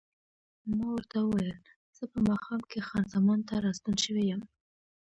ما ورته وویل: زه په ماښام کې خان زمان ته راستون شوی یم.